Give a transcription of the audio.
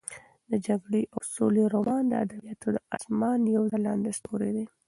د جګړې او سولې رومان د ادبیاتو د اسمان یو ځلانده ستوری دی.